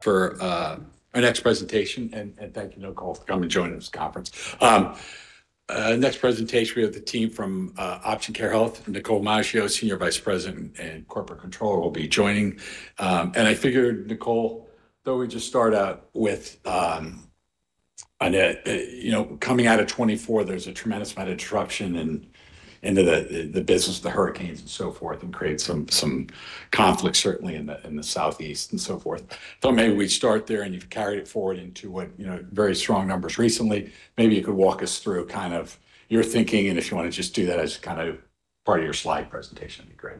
For our next presentation, and thank you, Nicole, for coming and joining this conference. Next presentation, we have the team from Option Care Health. Nicole Maggio, Senior Vice President and Corporate Controller, will be joining. I figured, Nicole, though we just start out with, on a, you know, coming out of 2024, there's a tremendous amount of disruption and into the business of the hurricanes and so forth, and create some conflict, certainly, in the Southeast and so forth. Maybe we start there, and you've carried it forward into what, you know, very strong numbers recently. Maybe you could walk us through kind of your thinking, and if you want to just do that as kind of part of your slide presentation, it'd be great.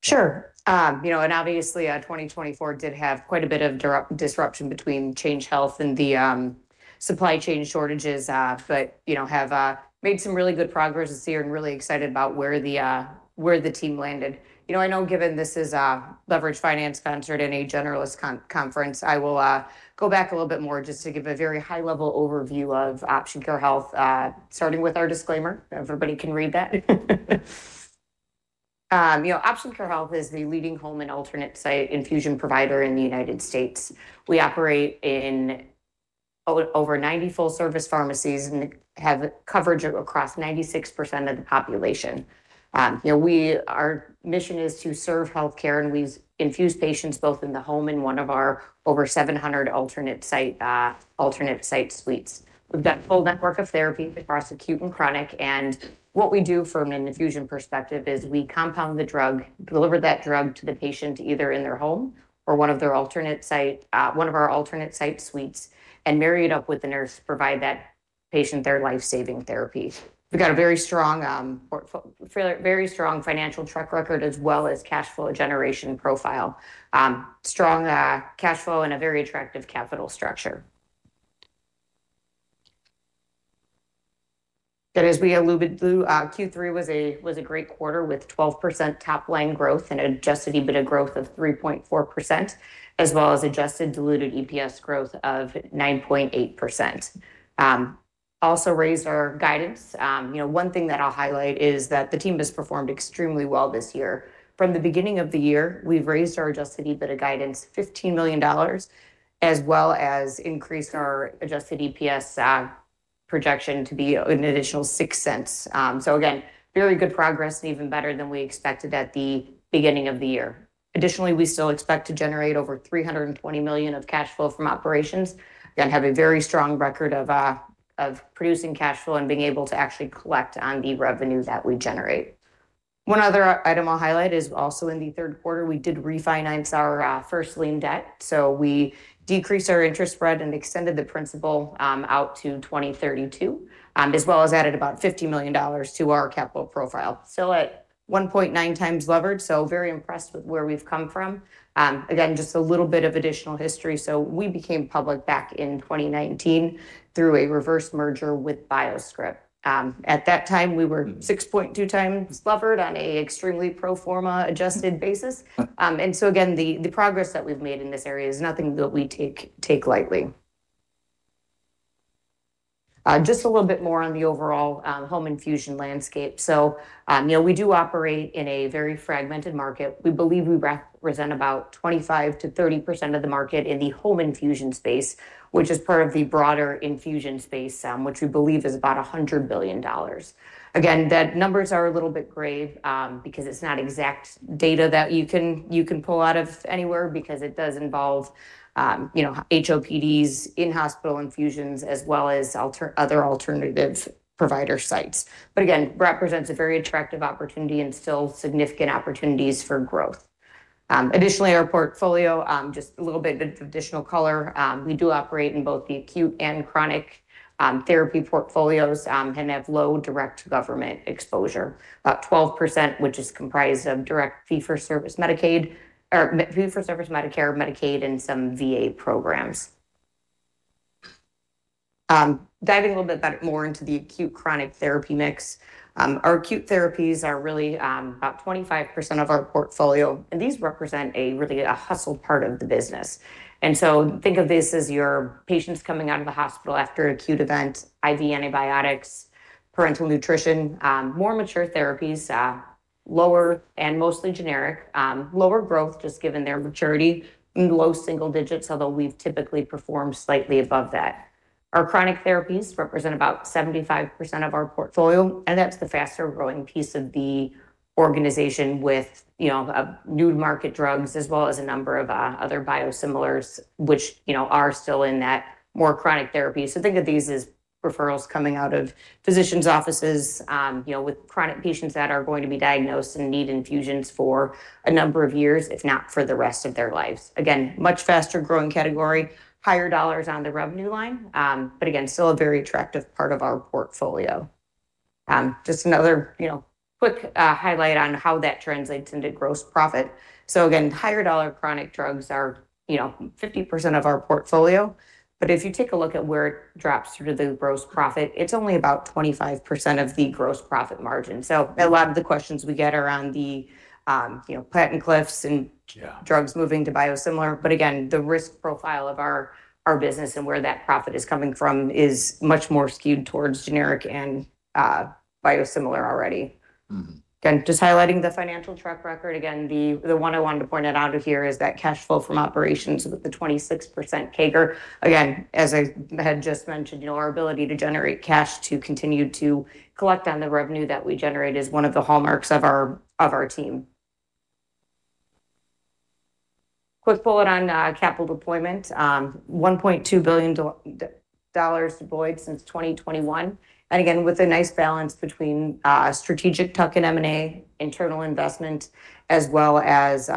Sure. You know, and obviously, 2024 did have quite a bit of disruption between Change Health and the supply chain shortages, but, you know, have made some really good progress this year and really excited about where the team landed. You know, I know given this is a leveraged finance concert and a generalist conference, I will go back a little bit more just to give a very high-level overview of Option Care Health, starting with our disclaimer. Everybody can read that. You know, Option Care Health is the leading home and alternate site infusion provider in the United States. We operate in over 90 full-service pharmacies and have coverage across 96% of the population. You know, our mission is to serve healthcare, and we infuse patients both in the home and one of our over 700 alternate site, alternate site suites. We've got a full network of therapies across acute and chronic, and what we do from an infusion perspective is we compound the drug, deliver that drug to the patient either in their home or one of their alternate site, one of our alternate site suites, and marry it up with the nurse, provide that patient their life-saving therapy. We've got a very strong portfolio, very strong financial track record as well as cash flow generation profile, strong cash flow and a very attractive capital structure. That, as we alluded to, Q3 was a great quarter with 12% top-line growth and an adjusted EBITDA growth of 3.4%, as well as adjusted diluted EPS growth of 9.8%. Also raised our guidance. You know, one thing that I'll highlight is that the team has performed extremely well this year. From the beginning of the year, we've raised our adjusted EBITDA guidance $15 million, as well as increased our adjusted EPS projection to be an additional $0.06. Very good progress and even better than we expected at the beginning of the year. Additionally, we still expect to generate over $320 million of cash flow from operations and have a very strong record of producing cash flow and being able to actually collect on the revenue that we generate. One other item I'll highlight is also in the third quarter, we did refinance our first lien debt. We decreased our interest spread and extended the principal out to 2032, as well as added about $50 million to our capital profile. Still at 1.9x levered, very impressed with where we've come from. Just a little bit of additional history. We became public back in 2019 through a reverse merger with BioScrip. At that time, we were 6.2x levered on an extremely pro forma adjusted basis. The progress that we've made in this area is nothing that we take lightly. Just a little bit more on the overall home infusion landscape. You know, we do operate in a very fragmented market. We believe we represent about 25%-30% of the market in the home infusion space, which is part of the broader infusion space, which we believe is about $100 billion. Again, that number is a little bit gray, because it's not exact data that you can pull out of anywhere because it does involve, you know, HOPDs in hospital infusions as well as other alternative provider sites. Again, represents a very attractive opportunity and still significant opportunities for growth. Additionally, our portfolio, just a little bit of additional color. We do operate in both the acute and chronic therapy portfolios, and have low direct government exposure, about 12%, which is comprised of direct fee-for-service Medicaid or fee-for-service Medicare, Medicaid, and some VA programs. Diving a little bit better more into the acute chronic therapy mix, our acute therapies are really about 25% of our portfolio, and these represent a really a hustle part of the business. Think of this as your patients coming out of the hospital after acute event, IV antibiotics, parenteral nutrition, more mature therapies, lower and mostly generic, lower growth just given their maturity and low single digits, although we've typically performed slightly above that. Our chronic therapies represent about 75% of our portfolio, and that's the faster growing piece of the organization with, you know, new-to-market drugs as well as a number of, other biosimilars, which, you know, are still in that more chronic therapy. Think of these as referrals coming out of physicians' offices, you know, with chronic patients that are going to be diagnosed and need infusions for a number of years, if not for the rest of their lives. Again, much faster growing category, higher dollars on the revenue line, but again, still a very attractive part of our portfolio. Just another, you know, quick, highlight on how that translates into gross profit. Again, higher dollar chronic drugs are, you know, 50% of our portfolio, but if you take a look at where it drops through the gross profit, it's only about 25% of the gross profit margin. A lot of the questions we get are on the, you know, patent cliffs. Drugs moving to biosimilar. Again, the risk profile of our business and where that profit is coming from is much more skewed towards generic and biosimilar already. Again, just highlighting the financial track record. The one I wanted to point out out of here is that cash flow from operations with the 26% CAGR. As I had just mentioned, our ability to generate cash to continue to collect on the revenue that we generate is one of the hallmarks of our team. Quick bullet on capital deployment, $1.2 billion deployed since 2021. Again, with a nice balance between strategic tuck and M&A, internal investment, as well as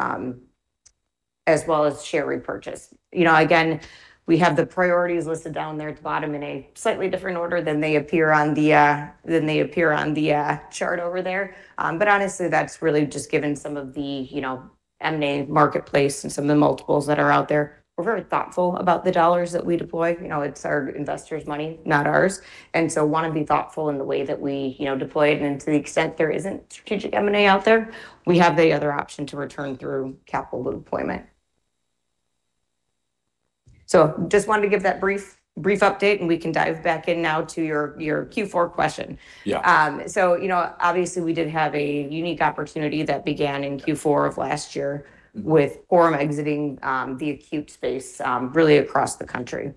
share repurchase. We have the priorities listed down there at the bottom in a slightly different order than they appear on the chart over there. Honestly, that's really just given some of the M&A marketplace and some of the multiples that are out there. We're very thoughtful about the dollars that we deploy. You know, it's our investors' money, not ours. You know, want to be thoughtful in the way that we, you know, deploy it. To the extent there isn't strategic M&A out there, we have the other option to return through capital deployment. Just wanted to give that brief update, and we can dive back in now to your, your Q4 question. You know, obviously, we did have a unique opportunity that began in Q4 of last year with Coram exiting the acute space, really across the country.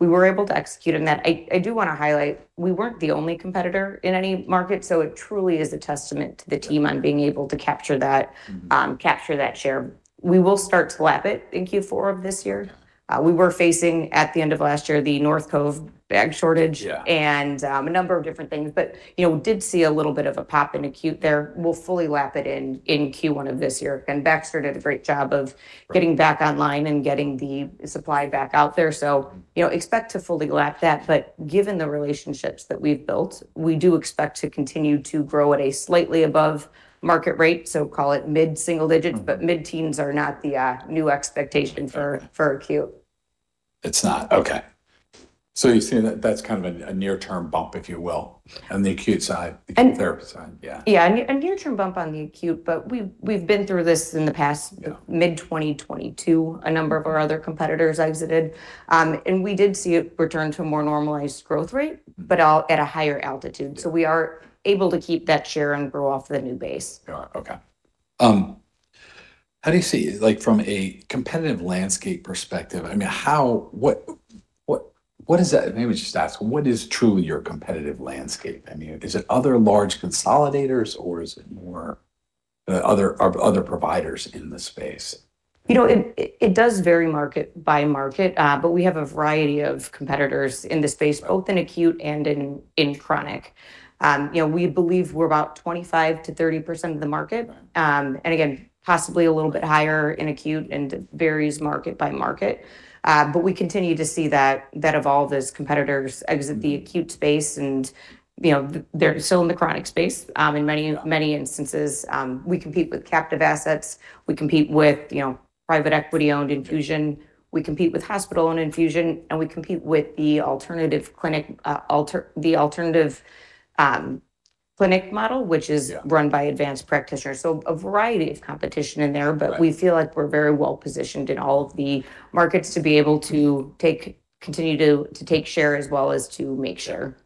We were able to execute on that. I do want to highlight we were not the only competitor in any market, so it truly is a testament to the team on being able to capture that, capture that share. We will start to lap it in Q4 of this year. We were facing at the end of last year the North Cove bag shortage. A number of different things, but, you know, did see a little bit of a pop in acute there. We'll fully lap it in, in Q1 of this year. Baxter did a great job of getting back online and getting the supply back out there. You know, expect to fully lap that. Given the relationships that we've built, we do expect to continue to grow at a slightly above market rate. Call it mid-single digits, but mid-teens are not the new expectation for acute. It's not. Okay. You're seeing that that's kind of a near-term bump, if you will, on the acute side. The therapy side. Yeah. Yeah. A near-term bump on the acute, but we've been through this in the past. Mid-2022, a number of our other competitors exited. We did see it return to a more normalized growth rate, but all at a higher altitude. We are able to keep that share and grow off the new base. Yeah. Okay. How do you see, like, from a competitive landscape perspective? I mean, how, what, what is that? Maybe just ask, what is truly your competitive landscape? I mean, is it other large consolidators, or is it more, other, other providers in the space? You know, it does vary market by market, but we have a variety of competitors in the space, both in acute and in chronic. You know, we believe we're about 25%-30% of the market and again, possibly a little bit higher in acute, and it varies market by market. We continue to see that evolve as competitors exit the acute space, and, you know, they're still in the chronic space. In many instances, we compete with captive assets. We compete with, you know, private equity-owned infusion. We compete with hospital-owned infusion, and we compete with the alternative clinic model, which is. Run by advanced practitioners. A variety of competition in there, but we feel like we're very well positioned in all of the markets to be able to continue to take share as well as to make sure.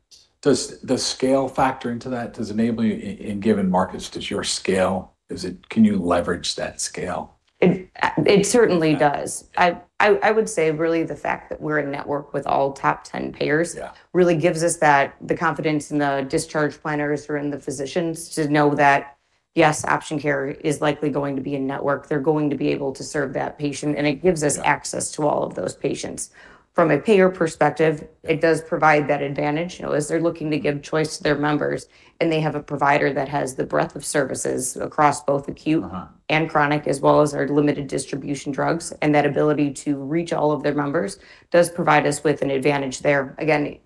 Does the scale factor into that? Does enabling in given markets, does your scale, does it, can you leverage that scale? It certainly does. I would say really the fact that we're in network with all top 10 payers. Yeah. Really gives us that, the confidence in the discharge planners or in the physicians to know that, yes, Option Care is likely going to be in network. They're going to be able to serve that patient, and it gives us access to all of those patients. From a payer perspective, it does provide that advantage. You know, as they're looking to give choice to their members and they have a provider that has the breadth of services across both acute. Chronic, as well as our limited distribution drugs, and that ability to reach all of their members does provide us with an advantage there. Again,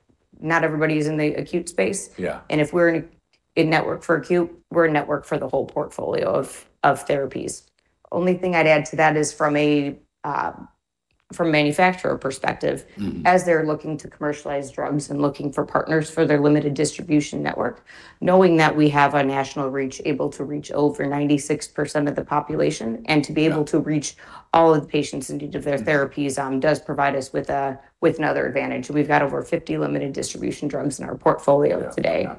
not everybody's in the acute space. Yeah. If we're in network for acute, we're in network for the whole portfolio of therapies. Only thing I'd add to that is from a manufacturer perspective. As they're looking to commercialize drugs and looking for partners for their limited distribution network, knowing that we have a national reach able to reach over 96% of the population and to be able to reach all of the patients in need of their therapies does provide us with another advantage. We've got over 50 limited distribution drugs in our portfolio today. Yeah.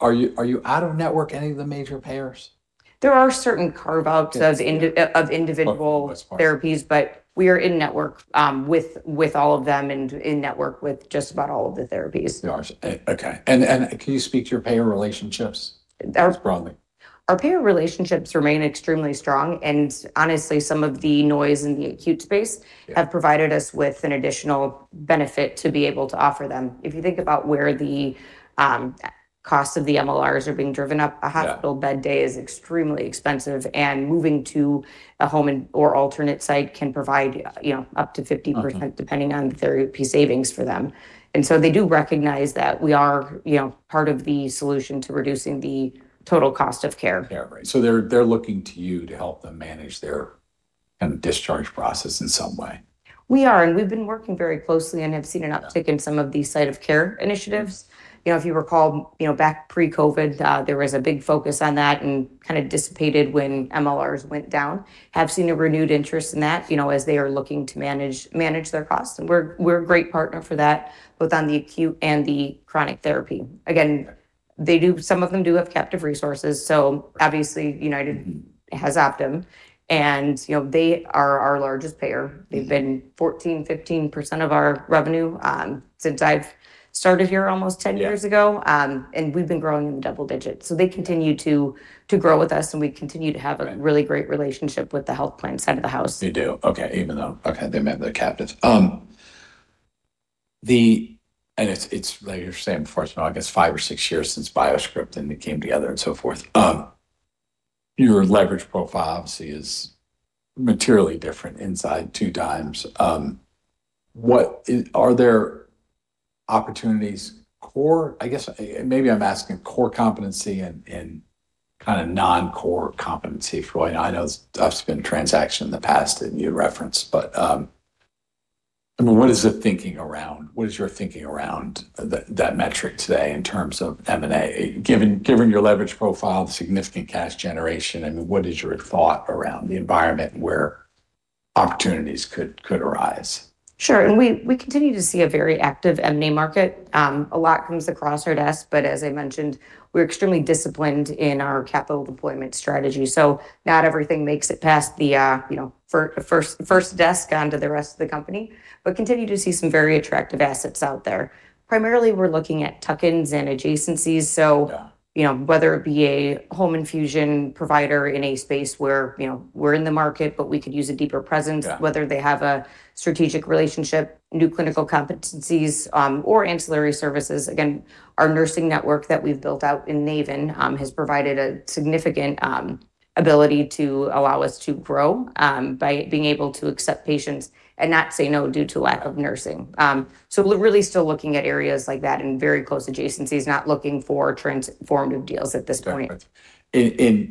Are you out of network any of the major payers? There are certain carve-outs of individual. Oh, that's fine. Therapies, but we are in network with all of them and in network with just about all of the therapies [audio disortion]. Okay. Can you speak to your payer relationships? Just broadly. Our payer relationships remain extremely strong, and honestly, some of the noise in the acute space. Have provided us with an additional benefit to be able to offer them. If you think about where the cost of the MLRs are being driven up, a hospital bed day is extremely expensive, and moving to a home and/or alternate site can provide, you know, up to 50% depending on the therapy savings for them. They do recognize that we are, you know, part of the solution to reducing the total cost of care. Yeah. Right. They're looking to you to help them manage their kind of discharge process in some way. We are, and we've been working very closely and have seen an uptick in some of these site of care initiatives. You know, if you recall, you know, back pre-COVID, there was a big focus on that and kind of dissipated when MLRs went down. Have seen a renewed interest in that, you know, as they are looking to manage their costs. We are, we are a great partner for that, both on the acute and the chronic therapy. Again, they do, some of them do have captive resources, so obviously United has Optum, and, you know, they are our largest payer. They've been 14%-15% of our revenue, since I've started here almost 10 years ago. Yeah. We've been growing in double digits. They continue to grow with us, and we continue to have a really great relationship with the health plan side of the house. They do. Okay. Even though, okay, they may have their captives. The, and it's, like you were saying before, it's been I guess five or six years since BioScrip and it came together and so forth. Your leverage profile obviously is materially different inside two dimes. Are there opportunities, core, I guess, maybe I'm asking core competency and kind of non-core competency for, you know, I know it's, it's been a transaction in the past that you referenced, but, I mean, what is the thinking around, what is your thinking around that metric today in terms of M&A? Given your leverage profile, significant cash generation, I mean, what is your thought around the environment where opportunities could arise? Sure. We continue to see a very active M&A market. A lot comes across our desk, but as I mentioned, we're extremely disciplined in our capital deployment strategy. Not everything makes it past the, you know, first desk onto the rest of the company, but continue to see some very attractive assets out there. Primarily, we're looking at tuck-ins and adjacencies. You know, whether it be a home infusion provider in a space where, you know, we're in the market, but we could use a deeper presence. Whether they have a strategic relationship, new clinical competencies, or ancillary services. Again, our nursing network that we've built out in Naven has provided a significant ability to allow us to grow, by being able to accept patients and not say no due to lack of nursing. We are really still looking at areas like that and very close adjacencies, not looking for transformative deals at this point. Got it.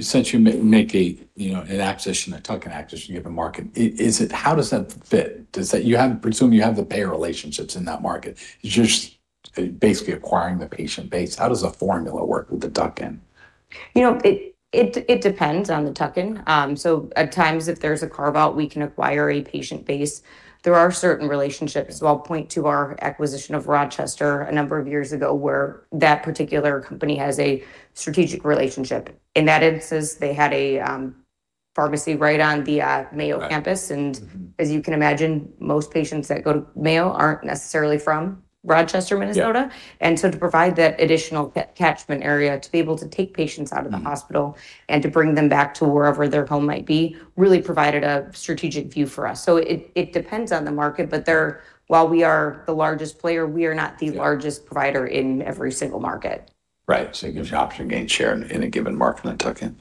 Since you make a, you know, an acquisition, a tuck-in acquisition in a given market, is it, how does that fit? Does that, you have, presume you have the payer relationships in that market. Is you're just basically acquiring the patient base. How does the formula work with the tuck-in? You know, it depends on the tuck-in. At times, if there's a carve-out, we can acquire a patient base. There are certain relationships. I'll point to our acquisition of Rochester a number of years ago where that particular company has a strategic relationship. In that instance, they had a pharmacy right on the Mayo campus. As you can imagine, most patients that go to Mayo aren't necessarily from Rochester, Minnesota to provide that additional catchment area to be able to take patients out of the hospital and to bring them back to wherever their home might be really provided a strategic view for us. It depends on the market, but while we are the largest player, we are not the largest provider in every single market. Right. It gives you option to gain share in a given market in a tuck-in.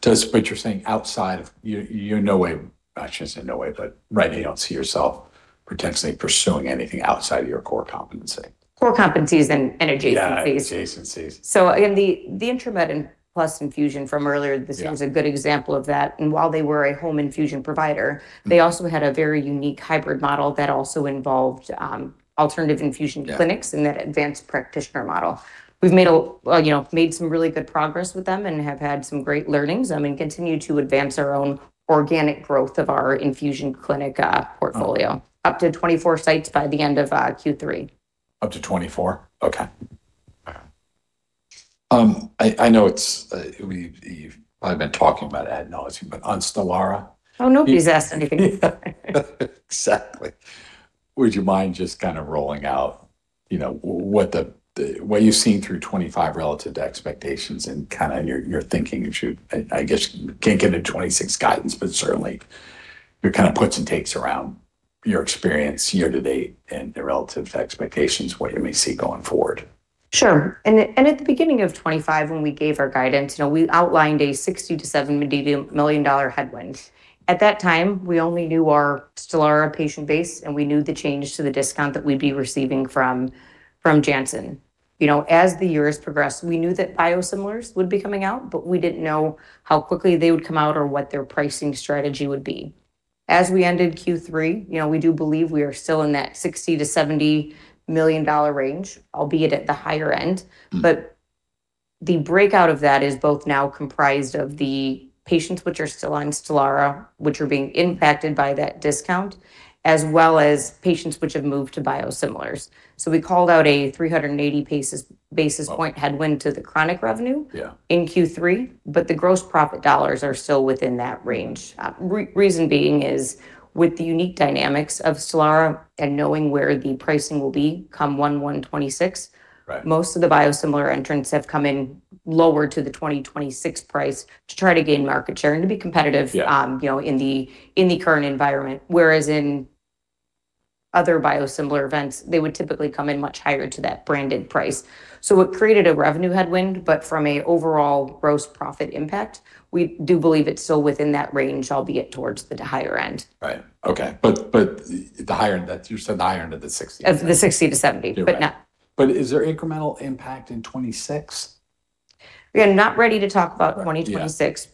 Does, but you're saying outside of, you, you're no way, I shouldn't say no way, but right now you don't see yourself potentially pursuing anything outside of your core competency. Core competencies and adjacencies. Yeah. Adjacencies. Again, the InterMed and Plus Infusion from earlier. This was a good example of that. While they were a home infusion provider, they also had a very unique hybrid model that also involved alternative infusion clinics and that advanced practitioner model. We've made a, you know, made some really good progress with them and have had some great learnings. I mean, continue to advance our own organic growth of our infusion clinic portfolio. Up to 24 sites by the end of Q3. Up to 24. Okay. I know it's, we, you've probably been talking about the nausea, but on Stelara. Oh, nobody's asked anything. Exactly. Would you mind just kind of rolling out, you know, what you've seen through 2025 relative to expectations and kind of your, your thinking if you, I guess, can't get into 2026 guidance, but certainly your kind of puts and takes around your experience year to date and the relative to expectations, what you may see going forward. Sure. At the beginning of 2025, when we gave our guidance, you know, we outlined a $60 million-$70 million headwind. At that time, we only knew our Stelara patient base, and we knew the change to the discount that we'd be receiving from Janssen. You know, as the year has progressed, we knew that biosimilars would be coming out, but we didn't know how quickly they would come out or what their pricing strategy would be. As we ended Q3, you know, we do believe we are still in that $60 million-$70 million range, albeit at the higher end. The breakout of that is both now comprised of the patients which are still on Stelara, which are being impacted by that discount, as well as patients which have moved to biosimilars. We called out a 380 basis point. Headwind to the chronic revenue. Yeah. In Q3, the gross profit dollars are still within that range. The reason being is with the unique dynamics of Stelara and knowing where the pricing will be come 1/1/2026. Most of the biosimilar entrants have come in lower to the 2026 price to try to gain market share and to be competitive. In the current environment, whereas in other biosimilar events, they would typically come in much higher to that branded price. It created a revenue headwind, but from a overall gross profit impact, we do believe it's still within that range, albeit towards the higher end. Right. Okay. But the higher end, that you said the higher end of the 60. Of the 60-70. Yeah. But not. Is there incremental impact in 2026? Again, not ready to talk about 2026.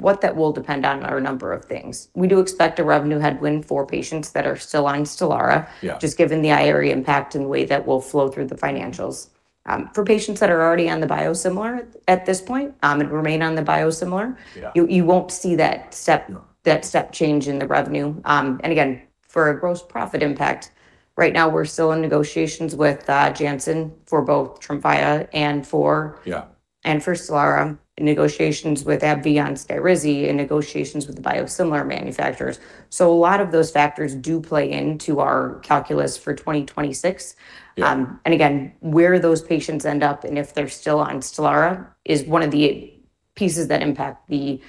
What that will depend on are a number of things. We do expect a revenue headwind for patients that are still on Stelara. Just given the IRA impact and the way that will flow through the financials. For patients that are already on the biosimilar at this point, and remain on the biosimilar. You won't see that step change in the revenue. Again, for a gross profit impact, right now we're still in negotiations with Janssen for both Tremfya and for Stelara, in negotiations with AbbVie on SKYRIZI, in negotiations with the biosimilar manufacturers. A lot of those factors do play into our calculus for 2026 and again, where those patients end up and if they're still on Stelara is one of the pieces that impact the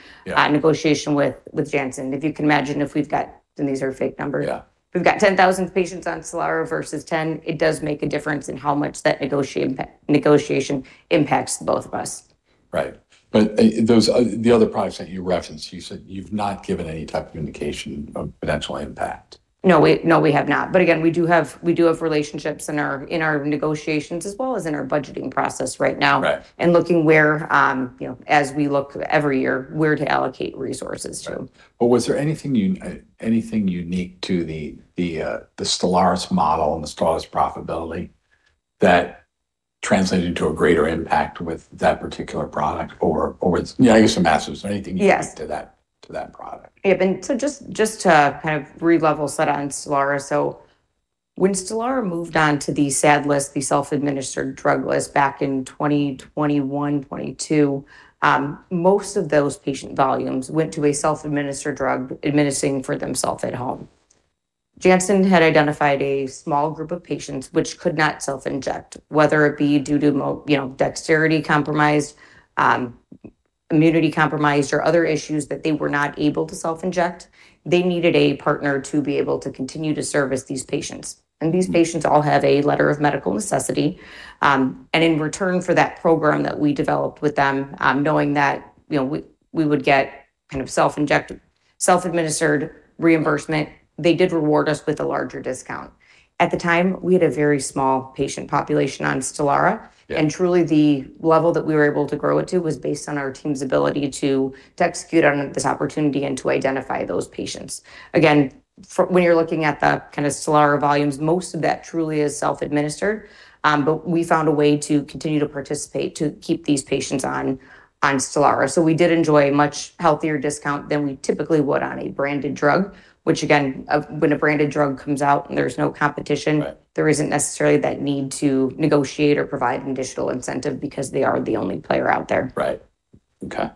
negotiation with Janssen. If you can imagine if we've got, and these are fake numbers. If we've got 10,000 patients on Stelara versus 10, it does make a difference in how much that negotiation, negotiation impacts both of us. Right. Those, the other products that you referenced, you said you've not given any type of indication of potential impact. No, we have not. Again, we do have relationships in our negotiations as well as in our budgeting process right now. Looking where, you know, as we look every year, where to allocate resources to. Right. Was there anything unique to the Stelara's model and the Stelara's profitability that translated into a greater impact with that particular product or, you know, I guess the massive, anything unique to that. Yes. To that product? Yeah. Just to kind of re-level set on Stelara. When Stelara moved on to the SAD list, the self-administered drug list back in 2021, 2022, most of those patient volumes went to a self-administered drug, administering for themself at home. Janssen had identified a small group of patients which could not self-inject, whether it be due to, you know, dexterity compromised, immunity compromised, or other issues that they were not able to self-inject. They needed a partner to be able to continue to service these patients. And these patients all have a letter of medical necessity. In return for that program that we developed with them, knowing that, you know, we would get kind of self-injected, self-administered reimbursement, they did reward us with a larger discount. At the time, we had a very small patient population on Stelara. Truly the level that we were able to grow it to was based on our team's ability to execute on this opportunity and to identify those patients. Again, for when you're looking at the kind of Stelara volumes, most of that truly is self-administered. We found a way to continue to participate to keep these patients on Stelara. We did enjoy a much healthier discount than we typically would on a branded drug, which again, when a branded drug comes out and there's no competition. There isn't necessarily that need to negotiate or provide an additional incentive because they are the only player out there. Right. Okay.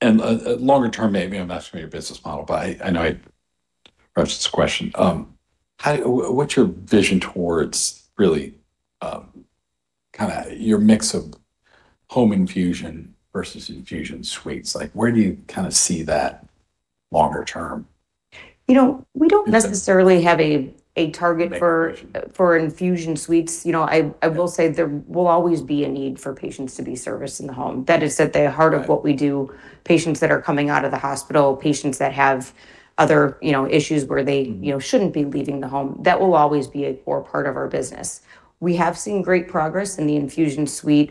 And, longer term, maybe I'm asking your business model, but I know I referenced this question. What's your vision towards really, kind of your mix of home infusion versus infusion suites? Like, where do you kind of see that longer term? You know, we do not necessarily have a target for infusion suites. You know, I will say there will always be a need for patients to be serviced in the home. That is at the heart of what we do, patients that are coming out of the hospital, patients that have other, you know, issues where they, you know, should not be leaving the home. That will always be a core part of our business. We have seen great progress in the infusion suite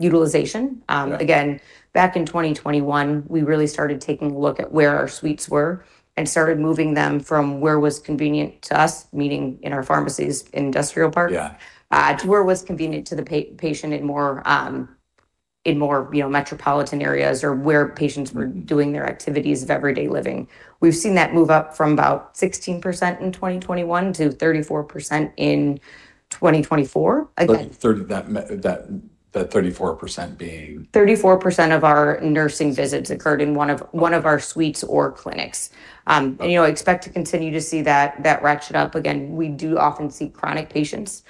utilization. Again, back in 2021, we really started taking a look at where our suites were and started moving them from where was convenient to us, meaning in our pharmacy's industrial part. To where was convenient to the patient in more, in more, you know, metropolitan areas or where patients were doing their activities of everyday living. We've seen that move up from about 16% in 2021 to 34% in 2024. Again. That 34% being. 34% of our nursing visits occurred in one of, one of our suites or clinics. And, you know, expect to continue to see that, that ratchet up. Again, we do often see chronic patients,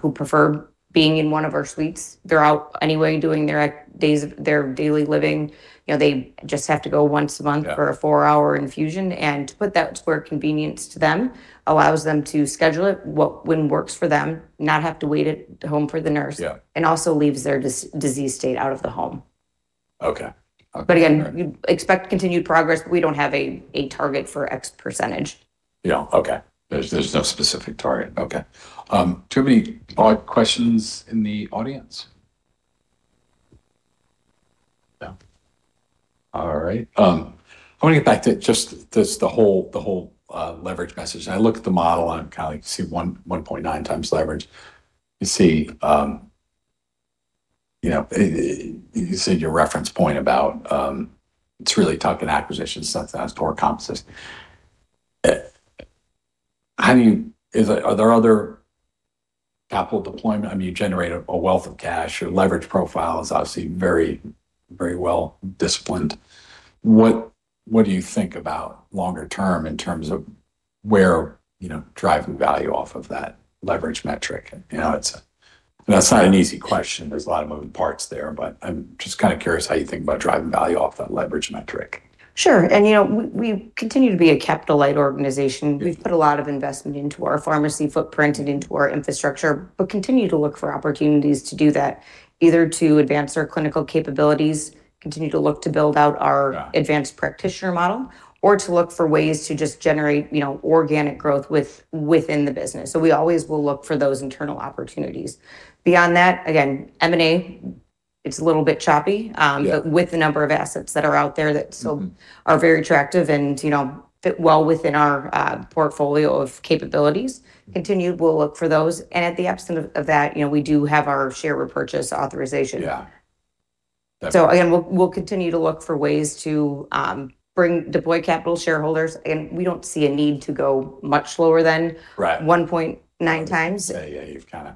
who prefer being in one of our suites. They're out anyway doing their days of their daily living. You know, they just have to go once a month for a four-hour infusion. And to put that square convenience to them allows them to schedule it, what when works for them, not have to wait at home for the nurse. It also leaves their disease state out of the home. Again, we expect continued progress, but we don't have a target for X percentage. Yeah. Okay. There's, there's no specific target. Okay. Tobby odd questions in the audience? No? All right. I wanna get back to just this, the whole, the whole, leverage message. I look at the model and I'm kind of, like, see 1, 1.9x leverage. You see, you know, you said your reference point about, it's really tuck-in acquisition, sometimes core competency. How do you, is there, are there other capital deployment? I mean, you generate a wealth of cash. Your leverage profile is obviously very, very well disciplined. What do you think about longer term in terms of where, you know, driving value off of that leverage metric? You know, that's not an easy question. There's a lot of moving parts there, but I'm just kind of curious how you think about driving value off that leverage metric. Sure. You know, we continue to be a capital-light organization. We've put a lot of investment into our pharmacy footprint and into our infrastructure, but continue to look for opportunities to do that, either to advance our clinical capabilities, continue to look to build out our advanced practitioner model, or to look for ways to just generate, you know, organic growth within the business. We always will look for those internal opportunities. Beyond that, again, M&A, it's a little bit choppy. With the number of assets that are out there that still are very attractive and, you know, fit well within our portfolio of capabilities, continued will look for those. At the absence of that, you know, we do have our share repurchase authorization. We'll continue to look for ways to bring, deploy capital shareholders. Again, we don't see a need to go much lower than 1.9x. Yeah. Yeah. You've kind of.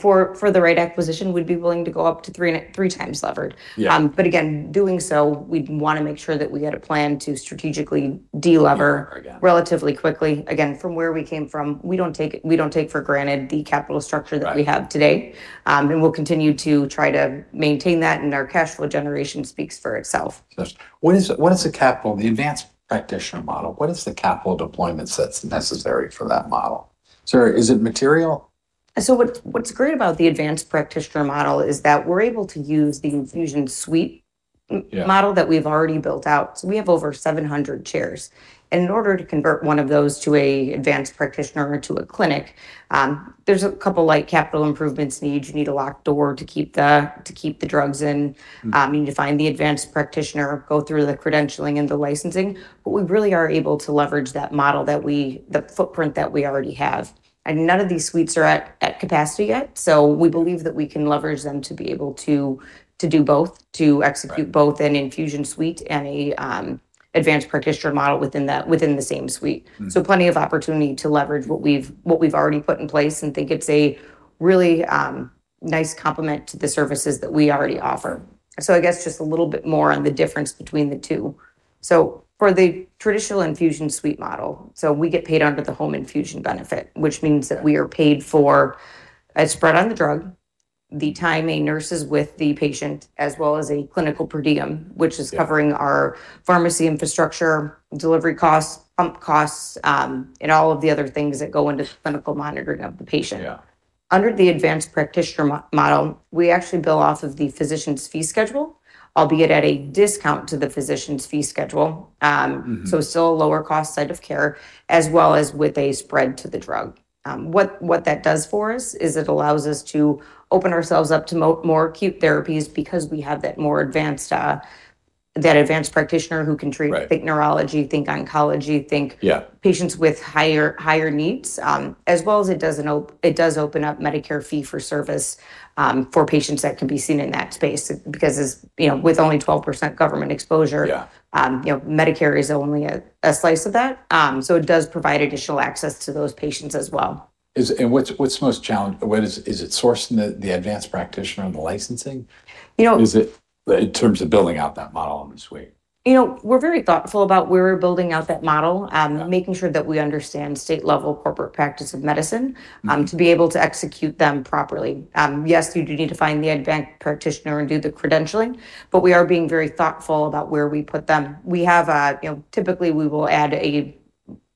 For the right acquisition, we'd be willing to go up to three and three times levered. Again, doing so, we'd wanna make sure that we had a plan to strategically de-lever. Lever. Yeah. Relatively quickly. Again, from where we came from, we don't take for granted the capital structure that we have today and we'll continue to try to maintain that, and our cash flow generation speaks for itself. What is, what is the capital, the advanced practitioner model? What is the capital deployment that's necessary for that model? Is it material? What is great about the advanced practitioner model is that we're able to use the infusion suite. Model that we've already built out. We have over 700 chairs. In order to convert one of those to an advanced practitioner or to a clinic, there's a couple light capital improvements needed. You need a locked door to keep the drugs in. You need to find the advanced practitioner, go through the credentialing and the licensing. We really are able to leverage that model, the footprint that we already have. None of these suites are at capacity yet. We believe that we can leverage them to be able to do both, to execute both an infusion suite and an advanced practitioner model within the same suite. Plenty of opportunity to leverage what we've already put in place and think it's a really nice complement to the services that we already offer. I guess just a little bit more on the difference between the two. For the traditional infusion suite model, we get paid under the home infusion benefit, which means that we are paid for a spread on the drug, the time a nurse is with the patient, as well as a clinical per diem, which is covering our pharmacy infrastructure, delivery costs, pump costs, and all of the other things that go into the clinical monitoring of the patient. Yeah. Under the advanced practitioner model, we actually bill off of the physician's fee schedule, albeit at a discount to the physician's fee schedule. Still a lower-cost site of care, as well as with a spread to the drug. What that does for us is it allows us to open ourselves up to more acute therapies because we have that more advanced, that advanced practitioner who can treat. Think neurology, think oncology, think patients with higher, higher needs, as well as it does open up Medicare fee-for-service for patients that can be seen in that space because it's, you know, with only 12% government exposure. You know, Medicare is only a slice of that. It does provide additional access to those patients as well. What's most challenging? What is it sourcing the advanced practitioner and the licensing? Is it in terms of building out that model in the suite? You know, we're very thoughtful about where we're building out that model, making sure that we understand state-level corporate practice of medicine to be able to execute them properly. Yes, you do need to find the advanced practitioner and do the credentialing, but we are being very thoughtful about where we put them. We have, you know, typically we will add a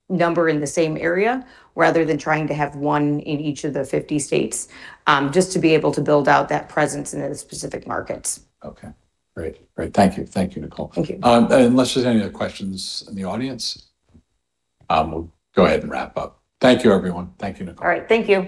number in the same area rather than trying to have one in each of the 50 states, just to be able to build out that presence in those specific markets. Okay. Great. Thank you. Thank you, Nicole. Thank you. And unless there's any other questions in the audience, we'll go ahead and wrap up. Thank you, everyone. Thank you, Nicole. All right.